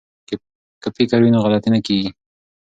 که فکر وي نو غلطي نه کیږي.